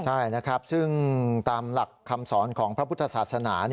ใช่นะครับซึ่งตามหลักคำสอนของพระพุทธศาสนา